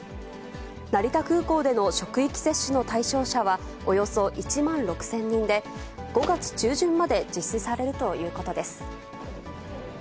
成田空港での職域接種の対象者はおよそ１万６０００人で、５月中旬まで実施されるということです。